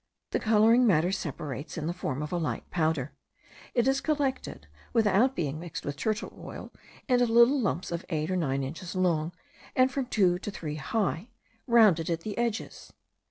The colouring matter separates in the form of a light powder. It is collected, without being mixed with turtle oil, into little lumps eight or nine inches long, and from two to three high, rounded at the edges.